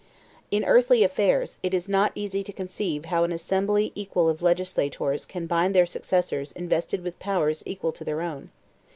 63 In earthly affairs, it is not easy to conceive how an assembly equal of legislators can bind their successors invested with powers equal to their own.